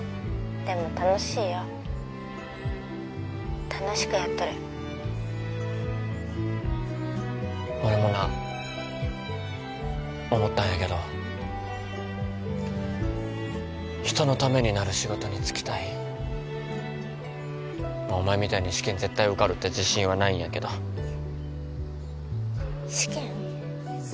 ☎でも楽しいよ☎楽しくやっとる俺もな思ったんやけど人のためになる仕事に就きたいお前みたいに試験絶対受かるって自信はないんやけど☎試験？